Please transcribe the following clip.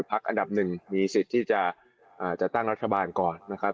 อันดับหนึ่งมีสิทธิ์ที่จะตั้งรัฐบาลก่อนนะครับ